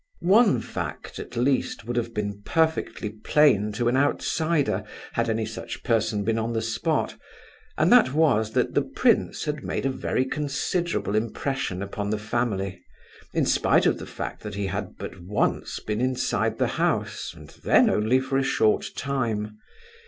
One fact, at least, would have been perfectly plain to an outsider, had any such person been on the spot; and that was, that the prince had made a very considerable impression upon the family, in spite of the fact that he had but once been inside the house, and then only for a short time.